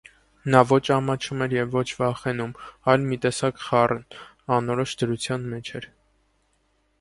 Նա ոչ ամաչում էր և ոչ վախենում, այլ մի տեսակ խառն, անորոշ դրության մեջ էր.